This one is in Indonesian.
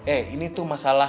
eh ini tuh masalah